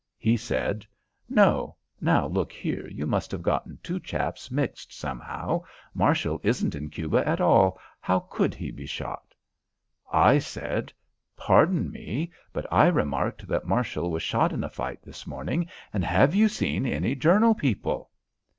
He said: "No; now look here, you must have gotten two chaps mixed somehow. Marshall isn't in Cuba at all. How could he be shot?" I said: "Pardon me, but I remarked that Marshall was shot in the fight this morning, and have you seen any Journal people?"